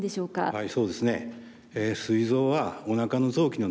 はい。